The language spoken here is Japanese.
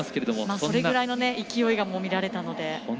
それぐらいの勢いが見られたので。